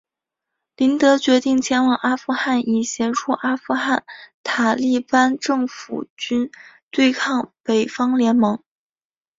林德决定前往阿富汗以协助阿富汗塔利班政府军对抗北方联盟。